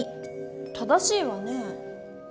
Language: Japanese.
正しいわね。